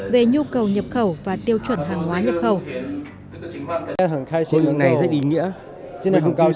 về nhu cầu nhập khẩu và tiêu chuẩn hàng hóa nhập khẩu